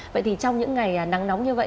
vậy thì trong những ngày nắng nóng như vậy